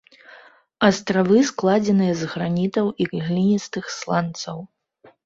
Астравы складзеныя з гранітаў і гліністых сланцаў.